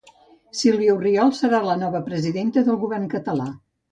Silvia Orriols serà la nova presidenta del govern català